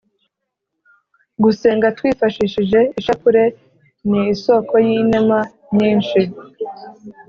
gusenga twifashishije ishapule ni isoko y’inema nyinshi: